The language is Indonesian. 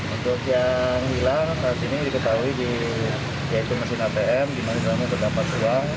untuk yang hilang saat ini diketahui di mesin atm di mana kami mendapat uang